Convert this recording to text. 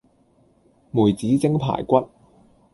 梅子蒸排骨